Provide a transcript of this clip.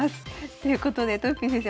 ということでとよぴー先生